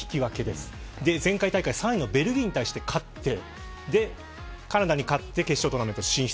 そして前回大会３位のベルギーに対して勝ってで、カナダに勝って決勝トーナメント進出。